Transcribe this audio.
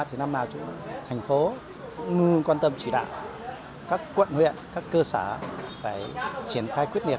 thành phố ngư quan tâm chỉ đạo các quận huyện các cơ sở phải triển khai quyết liệt